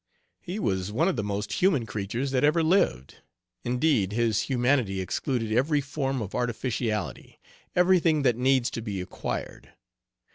He was one of the most human creatures that ever lived; indeed, his humanity excluded every form of artificiality everything that needs to be acquired.